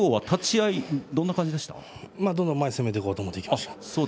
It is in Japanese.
どんどん前に攻めていこうと思いました。